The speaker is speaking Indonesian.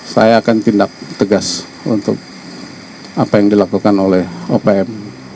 saya akan tindak tegas untuk apa yang dilakukan oleh opm